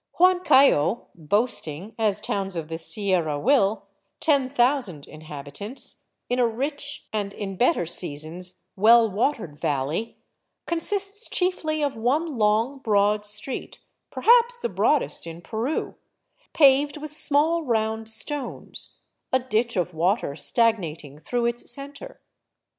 Huancayo, boasting — as towns of the Sierra will — 10,000 inhabi tants, in a rich and, in better seasons, well watered valley, consists chiefly of one long, broad street, perhaps the broadest in Peru, paved with small, round stones, a ditch of water stagnating through its cen ter.